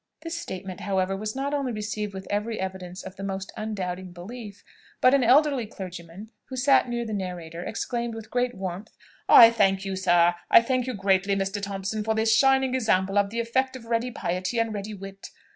This statement, however, was not only received with every evidence of the most undoubting belief, but an elderly clergyman, who sat near the narrator, exclaimed with great warmth, "I thank you, sir, I thank you greatly, Mr. Thompson, for this shining example of the effect of ready piety and ready wit.